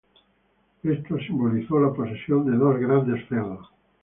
Esto simbolizó la posesión de dos grandes feudos.